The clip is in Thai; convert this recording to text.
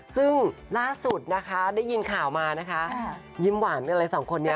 ซึ่งล่าสุดนะคะได้ยินข่าวมานะคะยิ้มหวานกันเลยสองคนนี้